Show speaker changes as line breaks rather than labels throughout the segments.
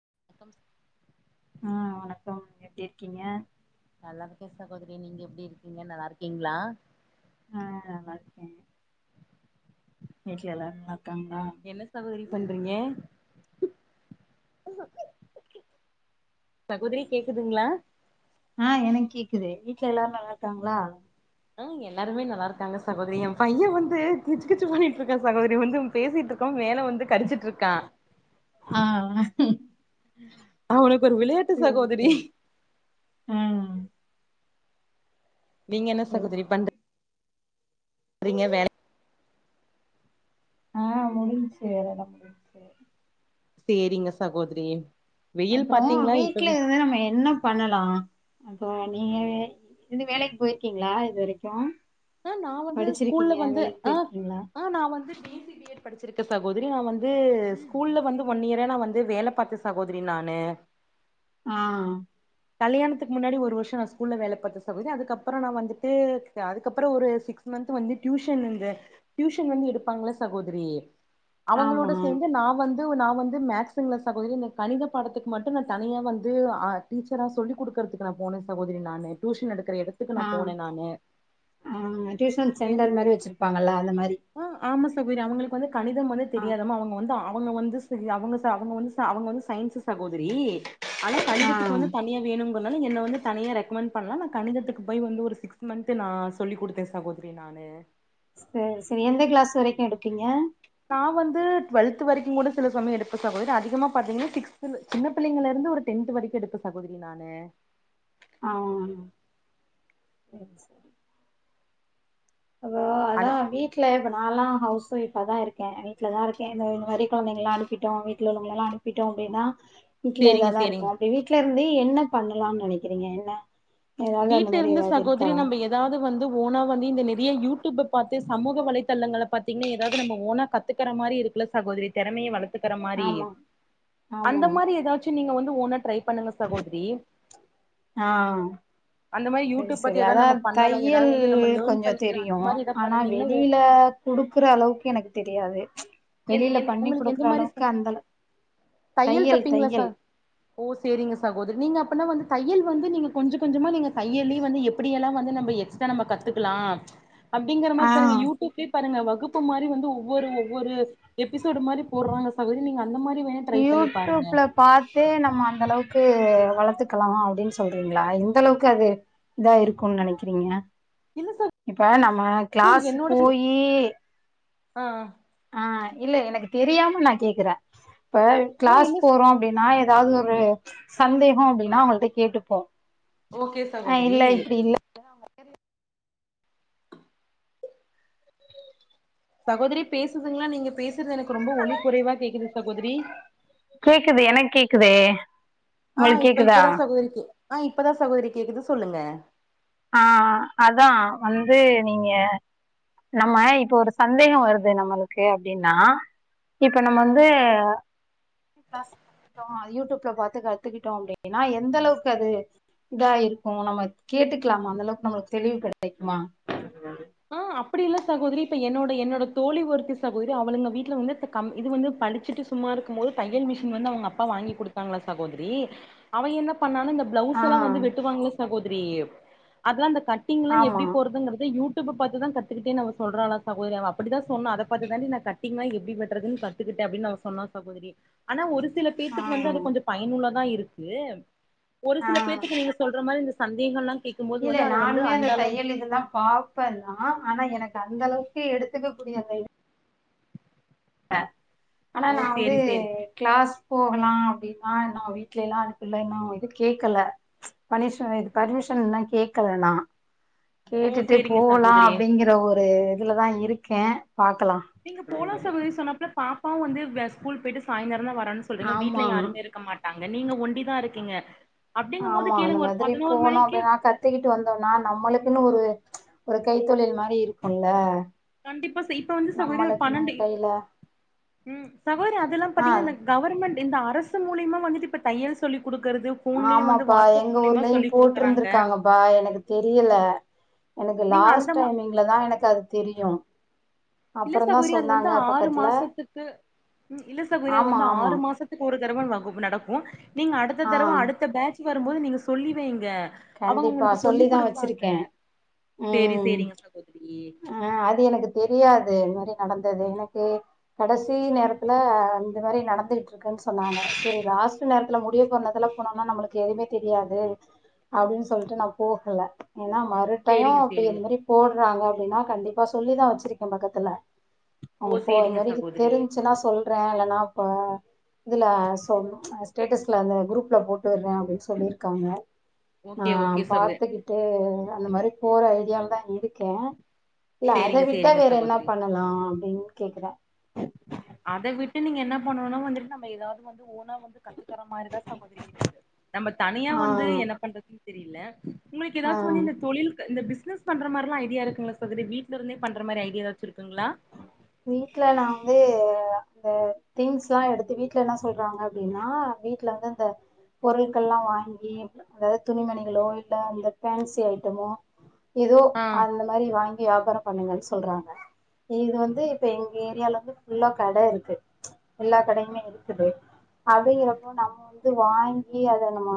[inaudible]
ஆஹ் வணக்கம் எப்படி இருக்கீங்க
நல்லா இருக்கே சகோதரி நீங்க எப்படி இருக்கீங்க நல்லா இருக்கீங்களா
ஆஹ் நல்லா இருக்கேன் வீட்டுல எல்லாரும் நல்லன்
என்ன சகோதரி பண்றீங்க சகோதரி கேக்குதுங்களா
ஆஹ் எனக்கு கேக்குது வீட்டு்ல எல்லாரருமே நல்லா இருக்காங்களா
ஆஹ எல்லாருமே நல்லா இருக்காங்க சகோதரி என் பையன் வந்து கிச்சு கிச்சி பண்ணிட்டு இருக்கேன் சகோதரி வந்து பேசிட்டு இருக்கோம் மேல வந்து கடிச்சுட்டு இருக்கான்
ஆ
அவனுக்கு விளையாட்டு
சேரி
சகோதரி
சேரி ஆ
நீங்க என்ன
சேரி
சகோதரி
சேரி
பண்றீங்க வேலை
ஆஹ் முடிஞ்சச்சு வேறட முடிஞ்சச்சு
சேரிங்க சகோதரி வெயில்
அப்புறோ
பாத்தீங்களா இப்பவே
வீட்டு்ல இருந்து நம்ம என்ன பண்ணலா அப்போ நீங்க வே இருந்து வேலைக்கு போயிருக்கீங்களா இது வரைக்கும்
ஆ நா வந்து ஸ்கூல்ல வந்து ஆ
போயிருக்கீங்களா
ஆ நா வந்து பேசிக் பி எட் படிச்சிருக்க சகோதரி நா வந்து ஸ்கூல்ல வந்து ஒன் இயரா நா வந்து வேல பாத்தே சகோதரி நானு
ஆ
கல்யாணத்துக்கு முன்னாடி ஒரு வருஷோ நா ஸ்கூல்ல வேல பாத்த சகோதரி அதுக்கப்புறம் நா வந்துட்டு அதுக்கப்புறோ ஒரு சிக்ஸ் மந்த்து வந்து டியூஷன் இந்த டியூஷன் வந்து எடுப்பாங்குல்ல சகோதரி அவங்களோட
ஆமா
சேந்து நா வந்து நா வந்து மேக்சுங்ளா சகோதரி இந்த கணித பாடத்துக்கு மட்டு நா தனியா வந்து ஆ டீச்சரா சொல்லி குடுக்கறதுக்கு நா போனே சகோதரி நானு டியூஷன் எடுக்குற எடத்துக்கு நா
ஆ
போனே நானு
ஆ டியூஷன்
ஏன்னா
சென்டர் மாதிரி வெச்சிருப்பாங்கல்ல அந்த மாரி
ஆ ஆமா சகோதரி அவுங்களுக்கு வந்து கணிதம் வந்து
ஆ
தெரியாதாம அவுங்க வந்து ஆ அவுங்க வந்து சேரி அவுங்க அவுங்க வந்து அவுங்க வந்து சயின்ஸ் சகோதரி ஆனா இதுக்
ஆ
வந்து தனியா வேணும் என்ன வந்து தனியா ரெக்கமெண்ட் பண்ணலா கணிதத்துக்கு போய் வந்து ஒரு சிக்ஸ் மந்த் நா சொல்லி கொடுத்தே சகோதரி நா னு
சேரி சேரி எந்த கிளாஸ் வரைக்கும் எடுப்பீங்க
நா வந்து டுவெல்த் வரைக்கும் கூட சில சமயம் எடுப்பே சகோதரி அதிகமா பாத்தீங்கன்னா சிக்ஸ்த்ல சின்ன பிள்ளைங்கள்ல இருந் நா ஒரு டென்த் வரைக்கும் எடுப்பே சகோதரி நானு
ஆ சேரி சேரி அப்போ அதா
அது
வீட்டுல எற்ப நான்லா ஹவுஸ் வைஃப் ஆ தா இருக்கே வீட்ல தா இருக்கே இதோ இது மாரி கொழந்தைங்கள்லா அனுப்பிட்டோ வீட்டில உள்ளவங்கெல்லா அனுப்பிட்டோ அப்டின்னா வீட்டுல
சேரிங்க
இதாதா
சேரிங்க
இருப்போ அப்டி வீட்டு்ல இருந்து என்ன பண்ணலாம்னு நெனைக்கிறீங்க ஏன்னா
வீட்ல இருந்து சகோதரி நம்ம ஏதாவது வந்து ஓனா வந்து இந்த நே டியே யூடியூப்ப பாத்து சமூக வலைதளங்கள பாத்தீங்கன்ன ஏதாவது நம்ம ஓனா கத்துக்கற மாரி இருக்குல சகோரி திறமைய வளத் கத்துக்கற மாரி
ஆமா ஆமா
அந்த மாரி ஏதாச்சும் நீங்க வந்து த்து ஒணா ட்ரை பண்ணுங்க சகோதரி
ஆ
அந்த மாரி
சேரி
யூடியூப்
சேரி
பத்தி ஏதாவது நம்ம
அதான்
பண்ணலா ஏதாவது
தையல்
வந்து நம்ம லேர்ன்
கொஞ்சோ
பண்ணிக்கலா அந்த
தெரியு
மாரி ஏதாவது
ஆனா
பண்ணுனீங்கன்னா
வெளியில குடுக்குற அளவுக்கு எனக்கு தெரியாது வெளியில பண்ணி
உங்களுக்கு எந்த
குடுக்குற
மாரி
அளவுக்கு அந்த
தையல் தப்பீங்களா சா ஓ செரிங்க சகோதரி நீங்க அப்பனா வந்து தையல் வந்து நீங்க கொஞ்சோ கொஞ்சமா நீங்க தையல்லியே வந்து எப்டியெல்லா வந்து நம்போ எக்ஸ்ட்ரா நம்ப கத்துக்கலா அப்டிங்கற மாரி பாருங்க
ஆ
யூடியூப்லயே பாருங்க வகுப்பு மாரி வந்து ஒவ்வொரு ஒவ்வொரு எபிசோடு மாரி போட்றாங்க சகோதரி நீங்க அந்த மாரி வேணா ட்ரை பண்ணிப் பாருங்க
இது வளத்துக்கலாம் அப்டின்னு சொல்றீங்களா இந்தளவுக்கு அது இதா இருக்கும்னு நெனைக்கிறீங்க
இல்ல
இப்ப நம்ம
சகோதரி
கிளாஸ்
என்னோட
போயி
ஆ
ஆ இல்ல எனக்கு தெரியாம நா கேக்குறே இப்ப
ஆ
கிளாஸ்
இல்ல
போறோ அப்டின்னா ஏதாவது ஒரு சந்தேகோ அப்டின்னா அவுங்ககிட்ட கேட்டுப்போ
ஓகே
ஆ
சகோதரி
இல்ல இப்டி இல்ல
சகோதரி பேசுதுங்களா நீங்க பேசுறது எனக்கு ரொம்ப ஒலி குறைவா கேக்குது சகோதரி
கேக்குது எனக்கு கேக்குதே
ஆ
உங்களுக்கு
இப்ப
கேக்குதா
இப்ப தா சகோதரி கே ஆ இப்பதா சகோதரி கேக்குது சொல்லுங்க
ஆ அதா வந்து நீங்க நம்ம இப்ப ஒரு சந்தேகம் வருது நம்மளுக்கு அப்டின்னா இப்ப நம்ம வந்து கத்துக்கிட்டோ யூடியூப்ல பாத்து கத்துக்கிட்டோ அப்டின்னா எந்த அளவுக்கு அது இதா இருக்கோ நம்ம கேட்டுக்கலாமா அந்த அளவுக்கு நம்மளுக்கு தெளிவு கெடைக்குமா
ஆ அப்டி இல்ல சகோதரி இப்ப என்னோட என்னோட தோழி ஒருத்தி சகோதரி அவளுங்க வீட்டில வந்து இத்த கம் இது வந்து படிச்சுட்டு சும்மா இருக்கும் போது தையல் மிஷின் வந்து உங்க அப்பா வாங்கி குடுத்தாங்களா சகோத்ரி அவ என்னப் பண்ணாலும் இந்த
ஆ
பிளவுஸல்லா வந்து வெட்டுவாங்கள சகோதரி அதுல்லா அந்த கட்டிங்லா
ஆமா
எப்டி போறதுங்குறத யூட் டியூப்ல பாத்து தா கத்துக்கிட்டேனு அவ சொல்றாலா சகோதரி அவ அப்டிதா சொன்னா அத பாத்து தான்டி நா கட்டிங்னா எப்டி வெட்றதுன் கத்துக்கு டே அப்டின் அவ சொன்னா சகோதரி ஆனா ஒரு ஸ் சில
ஆ
பேத்துக்கு வந்து அது கொஞ்சோ பயனுள்ளதா இருக்கு ஒரு
ஆ
சில பேத்துக்கு நீங்க சொல்ற மா இந்த ஸ் சந்தேகல்லா
இல்ல நானுமே அந்த தையலுக்கு தா பாப்பன் னா ஆனா எனக்கு அந்த அளவுக்கு எடுத்துக்க கூடிய அந்த [inaudible] ப்ப ஆனா
ஓ
நா வந்து
சேரி சேரி
கிளாஸ் போகலா அப்டின் நா இன்னோ வீட்லெல்லா அதுக்குள்ள இன்னும் எது கேக்கல பனிஷ் அ இது பர்மிஷ் ஷன்னா கேக்கல நா
ஓ
கேட்டுட்டே
சேரிங்க
போலா
சகோதரி
அப்டிங்கிற ஒரு இதுல தா இருக்கே பாக்கலா
நீங்க போலா சகோதிரி சொன்னாப்ல பாப்பாவும் வந்து வே ஸ் ஸ்கூல் போயிட்டு சாய்ந்திரோ தா வ ரான் சொல்றீங்க வீட்ல
ஆமா
யாருமே இருக்க மாட்டாங்க நீங்க ஒண்டி தா இருக்கீங்க அப்டிங்கும் போது
ஆமா அந்த
கேளுங்க ஒரு
மாதிரி
பதினோரு மணிக்கு
போனாவே நா கத்திக்கிட்டு வந்தோன்னா நம்மளுக்குன்னு ஒரு ஒரு கைத்தொழில் மாரி இருக்கூல்ல
கண்டிப்பா செய் இப்ப வந்து சகோதரி ஒரு பன்னெண்டு இ
கையில
ம் சகோதரி அதெல்லா
ஆ
பாத்தீங்கன்னா இந்த கவர்மெண்ட் இந்த அரசு மூலியமா வந்துட்டு இப்ப தையல் சொல்லி குடுக்கறது ஃபோன்லயே வந்து
ஆமாப்பா
வாட்ஸ்அப்
எங்க
மூலியமா
ஊர்லயும்
சொல்லி குடுக்குறாங்க
போட்ருந்துருக்காங்கப்பா எனக்கு தெரியில எனக்கு
நீங்க அந்த
லாஸ்ட்
மா
டைமிங்ல தா எனக்கு அது தெரியு
இல்ல
அப்புறந்தா
சகோதரி அது வந்து
சொன்னாங்க
ஆறு
பக்கத்துல
மாசத்துக்கு ம் இல்ல சகோதரி அது
ஆமா
வந்து
ஆமா
ஆறு மாசத்துக்கு ஒரு தடவ நா குப் நடக்கும் நீங்க அடுத்த
ஆ
தடவ அடுத்த பேட்ச் வரும் போது நீங்க சொல்லி வைங்க அவங்க
கண்டிப்பா
உங்களுக்கு சொல்லி
சொல்லிதா
குடுப்பாங்க
வச்சிருக்கே
சேரி
ம்
சேரிங்க சகோதரி
ஆ அது எனக்கு தெரியாத் து இந் மாரி நடந்தது எனக்கு கடைசி நேரத்துல இந்த மாரி நடந்துகிட் இருக்குன் சொன்னாங்க சேரி லாஸ்ட் நேரத்துல முடிய போற நேரத்துல போனோன்னா நம்புளுக்கு எதுவுமே தெரியாது அப்டின்னு சொல்ட்டு நா போகல ஏனா மறு டையோ
சேரிங்க
அப்டி
சேரிங்க
அந்த மாரி போ றாங்க அப்டின்னா கண்டிப்பா சொல்லிதா வச்சிருக்கே பக்கத்துல அங்க
ஓ
போ அது
சேரிங்க
மாரி
சகோதரி
தெரிஞ்சுன்னா சொல்றே இல்லனா இப்ப இதுல சொ ஸ்டேட்டஸ்ல அந்த குரூப்ல போட்டுறே அப்டின்னு சொல்லிருக்காங்க நா
ஓகே ஓகே சகோ
பாத்துக்கிட்டு அந்த மாரி போற ஐடியாலதா இருக்கே இல்ல அத
சேரிங்க
விட்டா
சேரிங்க
வேற என்ன
சகோதரி
பண்ணலா அப்டின்னு கேக்குறே
அத விட்டு நீங்க என்ன பண்ணணும்னா வந்துட்டு நம்ம ஏதாவது வந்து நம்ம தனியா
ஆ
வந்து என்ன பண்றது உங்களுக்கு ஏதாச்சு
ஆ
வந்து இந்த தொழில் இந்த து பிஸ்னஸ் பண்ற மாரியெலா ஐடியா இருங்கள சகோதரி வீட்டுல இருந்தே பண்ற மாரி ஐடியா ஏதாச்சு இருக்குதுங்களா
வீட்ல நா வந்து அந்த திங்ஸ் எல்லா எடுத்து வீட்டுல என்ன சொல்றாங்க அப்டின்னா வீட்டுல வந்து அந்த பொருட்கல்லா வாங்கி அதாது துணிமணிகளோ இல்ல அந்த பேன்சி ஐட்டமோ ஏதோ
ஆ
அந்த மாரி வாங்கி வியாபாரோ பண்ணுங்கனு சொல்றாங்க இது வந்து ந்து இப்ப எங்க ஏரியால வந்து புல்லா கட இருக்கு எல்லா கடையுமே இருக்குது அதுகிறப்போ நம்ம வந்து வாங்கி அத நம்ம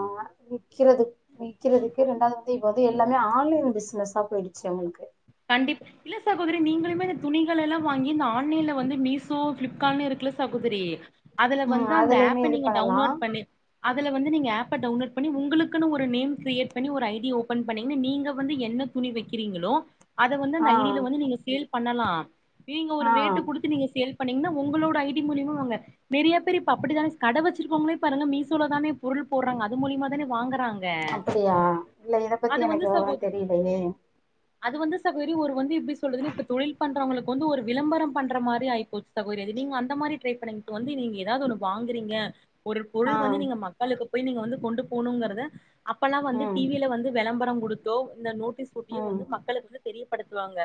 விக்கிறது விகிறதுக்கு ரெண்டாவதுந்து இப்ப வந்து எல்லாமே ஆன்லைன் பிஸ்னஸா போயிடுச்சு அவுங்களுக்கு
கண்டிப் இல்ல சகோதரி நீங்களுமே இந்த துணி ட்யெல்லா வாங்கி இந்த ஆன்லைன்ல வந்து மீசோ பிளிப்கார்ட் இருக்குல சகோதரி அதுல
ம்
வந்து அந்த
அதுலயுமே
ஆப்ப
இது
நீங்க
பண்ணலா
டவுன்லோட் பண்ணிட் அதல வந்து நீங்க ஆப்ப டவுன்லோட் பண்ணி உங்களுக்கு ஒரு நேம் கிரையிட் பண்ணி ஒரு ஐடிய ஓபன் பண்ணீங்க நீங்க வந்து என்ன என்ன துணி வைக்கிறீங்களோ அத வந்து அந்த
ஆ
ஐடியில வந்து நீங்க சேல் பண்ணலா நீங்க ஒரு
ஆ
ரேட்டு குடுத்து நீங்க சேல் பண்ணீங்கன்னா ஒங்களோட ஐடி மூலியமாங்க நெறையா பேர் இப்ப அப்டித்தானே கட வச்சிருக்கங்களோ பாருங்க மீசோல தானே பொருள் அது போடுறாங்க அது மூலியமா தானே வாங்குறாங்க
இல்ல இத பத்தி
அது
எனக்கு
வந்து ச
விவரம் தெரியலையே
அது வந்து சகோதரி ஒரு வந்து எப்டி சொல்றது இப் தொழில் பண்றவங்களுக்கு வந்து ஒரு விளம்பரம் பண்ற மாரி ஆயிப்போச்சு சகோதரி நீங்க அந்த மாரி இந்தமாரி ட்ரை பண்ணுங் வந்து நீங்க ஏதாது ஒன்னு வாங்குறீங்க ஒரு
ஆ
பொருள் வந்து நீங்க மக்களுக்கு போய் நீங்க வந்து கொண்டு போணுங்கிறத அப்பல்லா வந்து டி
ம்
வி ல வந்து விளம்பரோ குடுத்தோ இந்த நோட்டீஸ் ஒட்டியோ
ம்
வந்து மக்கள வந்து தெரியப்படுத்துவாங்க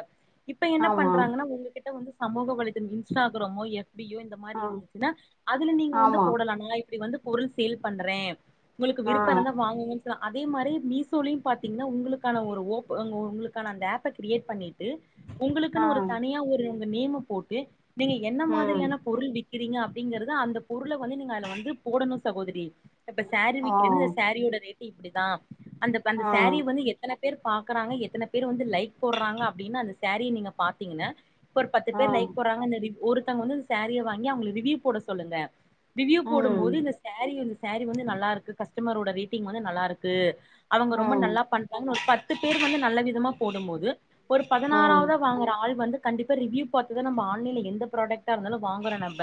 இப்ப என்ன
ஆமா
பண்றாங்கனா உங்ககிட்ட வந்து சமூக வலைதம் இன்ஸ்டாகிராமோ எ ப்பியோ இந்த மாரி
ஆ
இருந்துச்சுன்னா அதுல நீங்க வந்து
ஆமா
போடலானா இப்டி வந்து பொருள் சேல் பண்றே உங்களுக்கு
ஆ
விருப்ப இருந்தா வாங்குங்கன் சொன இதே மாரி மீஷோலயு பாத்தீங்கன்னா உங்களுக்கான ஒரு ஓப் அ உங் உங்களுக்கான அந்த ஆப்ப கிரியேட் பண்ணிட் டு
ஆ
உங்களுக்குன்னு ஒரு தனியா ஒரு உங்க நேம்ம போட்டு நீங்க என்ன
ம்
மாதிரியான பொருள் விக்கிறீங்க அப்படிங்கறது அந்த பொருள வந்து நீங்க அதுல வந்து போடணு சகோதரி இப்ப சேரீ
ஓ
விக்கிறீன்னு இந்த சேரியோட ரேட்டு இப்படிதா அந்தப் அந்த
ஆ
சேரீ வந்து எத்தன பேர் பாக்குறாங்க எத்தன பேர் வந்து லைக் போடுறாங்க அப்படின்னு அந்த சேரீய நீங்க பாத்தீங்கன பர் பத்து
ஆ
பேர் லைக் போட்றாங்க இந்த ரிவ் ஒருத்தங்க வந்து சாரிய வாங்கி அவுங்கள ரிவ்யூ போட சொல்லுங்க ரிவ்யூ
ம்
போடும்போது இந்த சேரீ இந்த சேரீ வந்து நல்லாருக்கு கஸ்டமரோட ரேட்டிங் வந்து நல்லாருக்கு அவங்க ரொம்ப
ம்
நல்லா பண்றாங்கன்னு ஒரு பத்து பேர் வந்து நல்ல விதமா போடனு து ஒரு
ம்
பதினாறாவத வாங்குற ஆள் வந்து கண்டிப்பா ரிவ்யூ பாத்துதா நம்ம ஆன்லைன்ல எந்த ப்ராடக்டா இருந்தாலும் வாங்கற நம்ப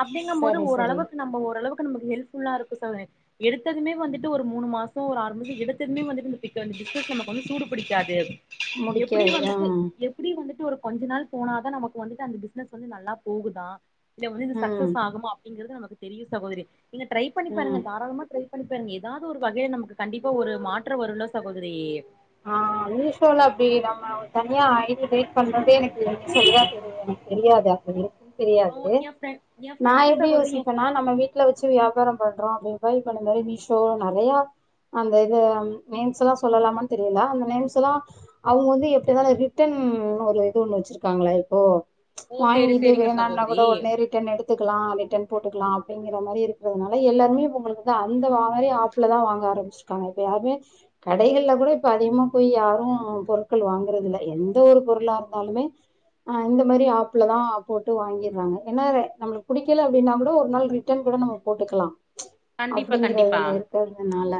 அப்படிங்கம் போது
சரி சரி
ஓரளவுக்கு நம்ம ஓரளவுக் நமக்கு ஹெல்ப் ஃபுல்லாருக்கூ சவே எடுத்ததுமே வந்துட்டு ஒரு மூணு மாசோ ஒரு ஆறு மாஸ் எடுத்ததுமே வந்துட்டு இந்த பிக்க வந்து பிசினஸ் நமக்கு வந்து சூடு பிடிக்காது எப்டி
முடிக்காது ஆ
வந்துட்டு எப்டி வந்துட்டு ஒரு கொஞ்ச நாள் போனாதா நமக்கு வந்துட்டு அந்த பிசினஸ் வந்து நல்லா போகுதா இல்ல வந்து இது
ம்
சக்சஸ் ஆகுமா அப்படிங்கறது நமக்கு தெரியு சகோதரி நீங்க ட்ரை பண்ணி பாருங்க
ம்
தாராளமா ட்ரை பண்ணிப்பாருங்க எதாது ஒரு வகையில நமக்கு கண்டிப்பா ஒரு மாற்ற வருல்ல சகோதரி
ஆ மீஷோல அப்டி நம்ம தனியா ஐ டி கிரியேட் பண்றதே எனக்கு சரியா தெரி தெரியாது [unintelligible]
ஓ
தெரியாது
எ ஃப்ரெண்ட் எ
நா
ஃப்ரெண்டு
எப்டி
சகோதரி எ
யோசிப்பேனா
ஃப்ரெண்ட்
நம்ம வீட்டுல வச்சு வியாபாரொ பண்றோ அப்படின் ட்ரை பண்ணுங்க அது மீசோ நெறயா அந்த இது நேம்ஸ்ஸெல்லா சொல்லலாமன் தெரியல அந்த நேம்ஸ்ஸெல்லா அவங்க வந்து எப்டினாலு ரிட்டன் ஒரு இது ஒன்னு வச்சிருக்காங்களா இப்போ
ஓ சேரி
வாங்கிட்டே
சேரிங்க
வேணான்னா கூட
சகோதரி
ஒடனே ரிட்டன் எடுத்துக்கலா ரிட்டன் போட்டுக்கலா அப்படிங்கிற மாரி இருக்கறதுனால எல்லாருமே உங்களுக்கு அந்த மாரி ஆப்புலதா வாங்க ஆரம்பிச்சிருக்காங்க கேயா அமேச் கடைகள்ல கூட இப்ப அதிகமா போய் யாரூ பொருட்கள் வாங்குறதில்ல எந்த ஒரு பொருளா இருந்தாலுமே அ இந்த மாதரி ஆப்லதா போட்டு வாங்கிடுறாங்க என்னது நம்மளுக்கு புடிக்கல அப்டின்னா கூட ஒரு நாள் ரிட்டர்ன் கு கூட நம்ம போட்டுக்கலா
கண்டிப்பா கண்டிப்பா
அப்டிங்கறதுல இருக்கறதுனால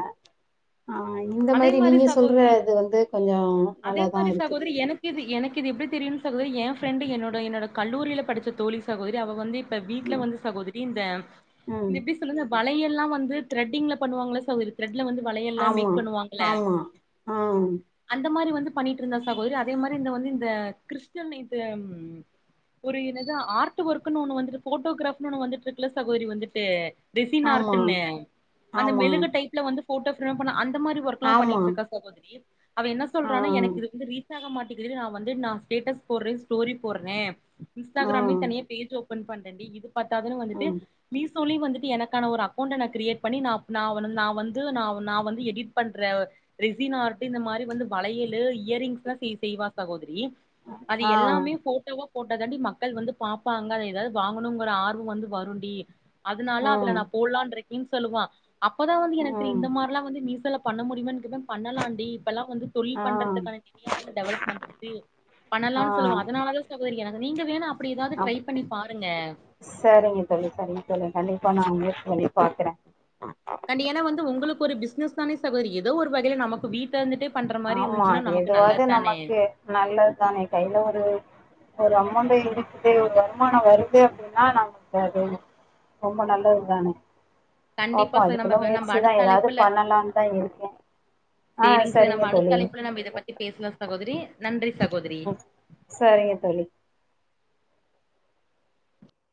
ஆ இந்த மாரி நீங்ளே சொ
கோத்தி அதே மாரி
இருக்குது
சகோதரி எனக்கு இது எனக்கு இது எப்டி தெரியுன் சகோதரி எ ஃப்ரெண்டு என்னோட என்னோட கல்லூரியில படிச்ச தோழி சகோதரி அவ வந்து ப்ப வீட்ல
ம்
வந்து சகோதரி இந்த
ம்
எப்டி சொல்லுங்க பா வளயெல்லா வந்து திரெட்டிங்ல பண்ணுவாங்கள்ல சகோதரி திரெட்ல வந்து வளையல்லா
ஆமா
மேக் பண்ணுவாங்கள
ஆமா ஆஹ்
அந்த மாரி வந்து பண்ணிட்டுருந்தா சகோதரி அதே மாரி இந்த வந்து இந்த கிறிஸ்டன் இது ஒரு இ என்னது ஆர்ட் ஒர்க்ன்னு ஒன்னு வந்துட்டு போட்டோகிராப்னு ஒன்னு வந்துட்டுருக்குல சகோதரி வந்துட்டு ரிசின்
ஆமா
ஆர்ட்டுன அந்த
ஆமா
மெழுகு டைப்ல வந்து ஃபோட்டோ ஃபிரம் பண்லா அந் ந்த மாரி ஒர்க்ல்லா
ஆமா
பண்ணிட்டுருக்கா சகோதரி அவ என்ன சொல்றானா
ஆஹ்
எனக்கு இது வந்து ரீ யூஸாக மாட்டிக்குதுன் நா வந்து நா ஸ்டேட்டஸ் போடுறே ஸ்டோரி போடுறே இன்ஸ்டாகிராமே
ஆஹ்
தனியா பேஜ் ஓப் ப்பன் பண்டேன்டி இது பத்தாதுன்னு வந்துட்டு மீஷ் ஷோலயு வந்துட்டு எனக்கான ஒரு அக்கௌண்ட்ட நா கிரியேட் பண்ணி நா அப் நா வந் நா வந்து நா வந் நா வந்து எடிட் பண்ற ரிசின் ஆர்ட் இந்த மாரி வந்து வளையல் இயரிங்ஸ்லா செய் செய்வா சகோதரி அது
ஆஹ் ஆஹ்
எல்லாமே போட்டோவா போட்டா தாண்டி மக்கள் வந்து பாப்ப்பாங்க எதாவ்து வாங்கணுங்கிற ஆர்வோ வந்து வரூண்டி அதனால அதுல
உம்
நா போடலான் இருக்கேன்னு சொல்லுவா அப்பதா வந்து எனக்கு தெரியு
உம்
இந்த மார்ல்லா வந்து மீஷோல பண்ண முடியுமான் கேட்டுத பண்ணலாண்டி இப்பெல்லா வந்து தொழில்
ஆஹ்
பண்றதுக்கான [inaudible] வந்து டெவலப் மந்துட்டு பண்ணலான்னு சொல்லுவோ அதனாலதா சகோதரி எனக்
ஆ சரிங்க தோழி சரிங்க தோழி கண்டிப்பா நான் உங்க உங்கள பாக்குறே
கண்டி ஏன்னா வந்து உங்களுக்கு ஒரு பிசினஸ் தானே சகோதரி ஏதோ ஒரு வகேல நமக்கு வீட்ல இருந்துட்டு
ஆமா எதுவாது நமக்கு நல்லதுதானே கையில ஒரு ஒரு அமௌண்ட் இருக்குது ஒரு வருமான வருது அப்டின்னா நமக்கு அது ரொம்ப நல்லது தானே பாப்போ
கண்டிப்பா ச நம்ம
அதுக்குள்ள
நம்ம
முயற்சிதா
அடுத்த
ஏதாவது
அழைப்புல
பண்ணலாம்னு தா இருக்கே ஆ சரிங்க தோழி
தலைப்புல நம்ம இத பத்தி பேசலா சகோதரி நன்றி சகோதரி
ம் சரிங்க தோழி